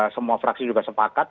semua fraksi juga sepakat